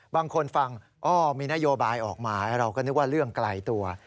บางคนฟังอ้อมีนโยบายออกมาเราก็นึกว่าเรื่องไกลตัว